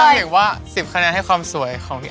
มาเห็นว่า๑๐คะแนนให้ความสวยนะ